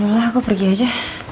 alah gue pergi aja